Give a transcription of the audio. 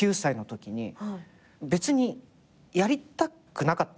別にやりたくなかったのよ。